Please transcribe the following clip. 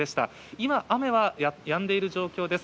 今、雨はやんでいる状況です。